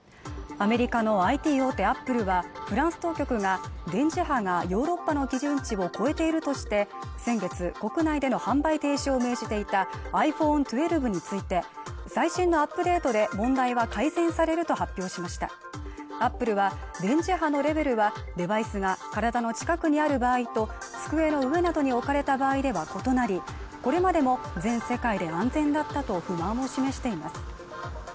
アメリカのＩＴ大手アップルはフランス当局が電磁波がヨーロッパの基準値を超えているとして先月国内での販売停止を命じていたｉＰｈｏｎｅ１２について最新のアップデートで問題は改善されると発表しましたアップルは電磁波のレベルはデバイスが体の近くにある場合と机の上などに置かれた場合では異なりこれまでも全世界で安全だったと不満を示しています